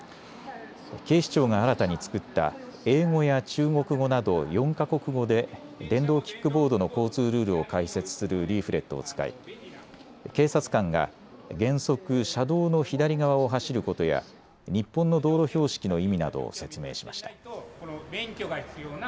警視庁が新たに作った英語や中国語など４か国語で電動キックボードの交通ルールを解説するリーフレットを使い警察官が原則、車道の左側を走ることや日本の道路標識の意味などを説明しました。